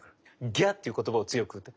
「ギャ」っていう言葉を強く言って。